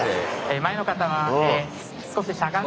前の方は少ししゃがんで。